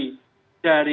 mereka tidak imun dari